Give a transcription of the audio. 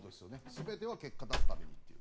全ては結果を出すためにという。